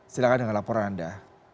silahkan dengan laporan anda